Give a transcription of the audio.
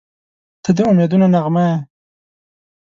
• ته د امیدونو نغمه یې.